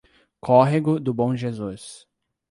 Córrego do Bom Jesus